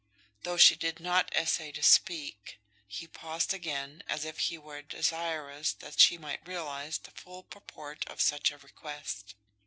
Though she did not essay to speak, he paused again, as if he were desirous that she might realize the full purport of such a request.